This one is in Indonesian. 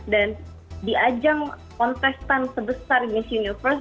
dan diajang kontestan sebesar miss universe